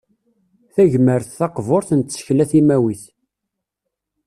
Tagmert taqburt n tsekla timawit.